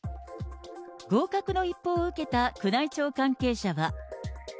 合格の一報を受けた宮内庁関係者は。